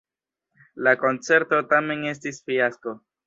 La koncerto tamen estis fiasko.